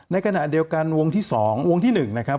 ในขณะเดียวกันวงที่สองวงที่หนึ่งนะครับ